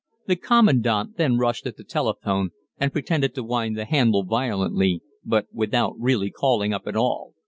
The Commandant then rushed at the telephone and pretended to wind the handle violently, but without really calling up at all.